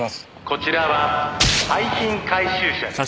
「こちらは廃品回収車です」